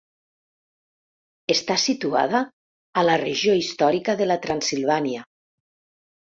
Està situada a la regió històrica de la Transsilvània.